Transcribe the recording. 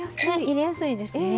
入れやすいですね。